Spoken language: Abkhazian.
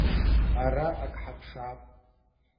Ьара ак ҳаԥшаап.